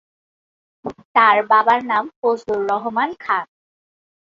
তার বাবার নাম ফজলুর রহমান খান।